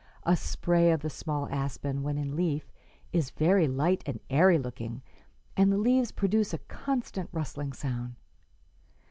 A spray of the small aspen, when in leaf, is very light and airy looking, and the leaves produce a constant rustling sound.